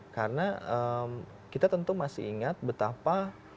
karena kita tentu masih ingat betapa